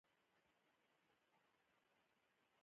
د دې غرونه زموږ غرور دی